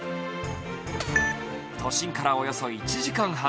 都心からおよそ１時間半。